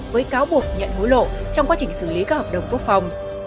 với cáo buộc nhận hối lộ trong quá trình xử lý các hợp đồng quốc phòng